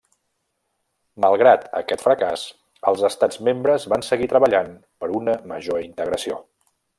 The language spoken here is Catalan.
Malgrat aquest fracàs, els estats membres van seguir treballant per una major integració.